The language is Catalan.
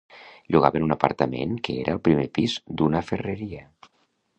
Llogaven un apartament que era al primer pis d'una ferreria.